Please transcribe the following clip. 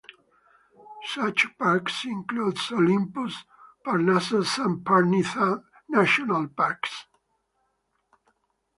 Such parks include: Olympus, Parnassos and Parnitha National Parks.